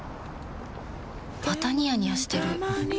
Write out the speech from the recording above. またニヤニヤしてるふふ。